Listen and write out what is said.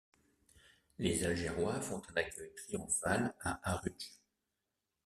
Les Algérois font un accueil triomphal à Arudj.